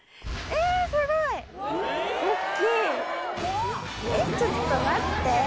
えっちょっと待って。